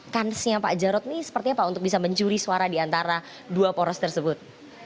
kansnya pak jarod ini seperti apa untuk bisa mencuri suara diantara dua poros tersebut